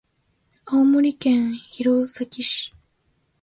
青森県弘前市